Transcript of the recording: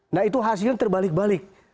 nah itu hasilnya terbalik balik